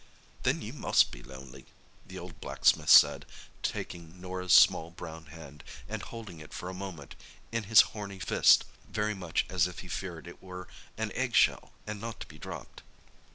"Then you must be lonely," the old blacksmith said, taking Norah's small brown hand, and holding it for a moment in his horny fist very much as if he feared it were an eggshell, and not to be dropped.